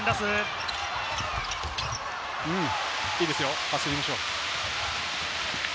いいですよ、走りましょう。